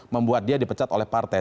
membuat dia dipecat oleh partai